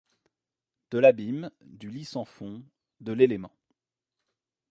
De l’abîme, du lit sans fond, de l’élément ;